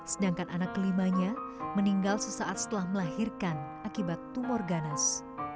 sedangkan anak kelimanya meninggal sesaat setelah melahirkan akibat tumor ganas